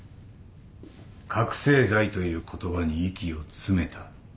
覚醒剤という言葉に息を詰めた。